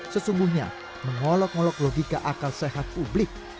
sesungguhnya mengolok ngolok logika akal sehat publik